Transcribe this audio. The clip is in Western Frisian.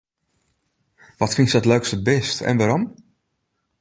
Wat fynst it leukste bist en wêrom?